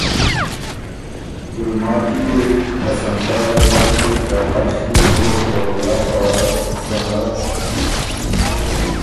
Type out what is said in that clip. ګُلماتی يې حسن شاه زرګر کی ته هر ݭيې دُوّه ته ورا پاره ګنړۀ